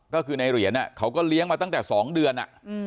ก็คือในเหรียญเขาก็เลี้ยงมาตั้งแต่๒เดือน